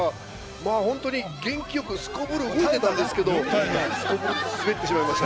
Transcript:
本当に元気よくすこぶる耐えてたんですけど、滑ってしまいました